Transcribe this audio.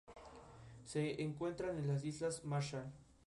La noche final fue transmitida en vivo para toda Venezuela por Venevisión.